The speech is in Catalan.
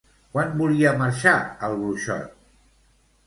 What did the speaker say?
Quan volia marxar el bruixot?